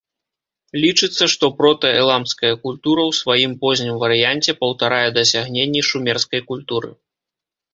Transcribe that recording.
Лічыцца, што прота-эламская культура ў сваім познім варыянце паўтарае дасягненні шумерскай культуры.